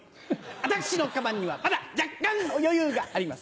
私の鞄にはまだ若干の余裕があります。